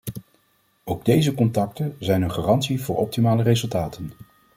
Ook deze contacten zijn een garantie voor optimale resultaten.